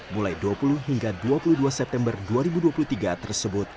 mulai dua puluh hingga dua puluh dua september dua ribu dua puluh tiga tersebut